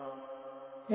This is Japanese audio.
え？